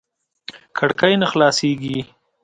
کړکۍ نه خلاصېږي .